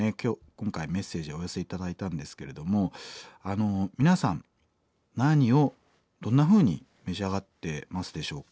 今回メッセージお寄せ頂いたんですけれども皆さん何をどんなふうに召し上がってますでしょうか？